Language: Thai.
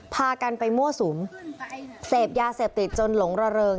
พากันไปมั่วสุมเสพยาเสพติดจนหลงระเริง